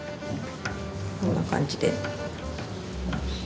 こんな感じで。